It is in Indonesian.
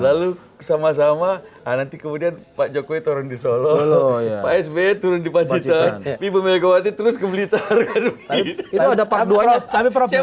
lalu sama sama nanti kemudian pak jokowi turun di solo pak sby turun di pacitan ibu megawati terus ke blitar